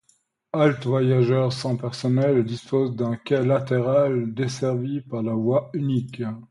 Halte voyageurs sans personnel, elle dispose d'un quai latéral desservi par la voie unique.